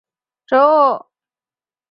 异株百里香是唇形科百里香属的植物。